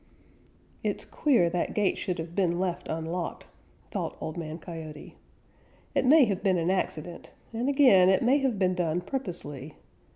"It's queer that gate should have been left unlocked," thought Old Man Coyote. "It may have been an accident, and again it may have been done purposely.